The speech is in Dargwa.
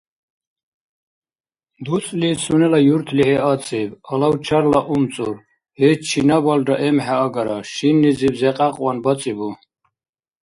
ДуцӀли сунела юртлихӀи ацӀиб, алавчарла умцӀур — гьеч чинабалра эмхӀе агара. «Шиннизиб зе кьякьван бацӀибу?!»